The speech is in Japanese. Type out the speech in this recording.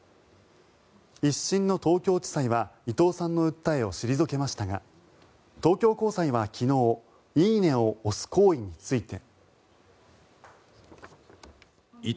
１審の東京地裁は伊藤さんの訴えを退けましたが東京高裁は昨日「いいね」を押す行為について。